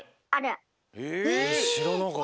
しらなかった。